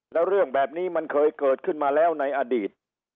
แล้วเรื่องแบบนี้มันเคยเกิดขึ้นมาแล้วในอดีต